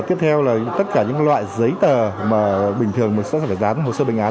tiếp theo là tất cả những loại giấy tờ mà bình thường sẽ phải dán hồ sơ bệnh án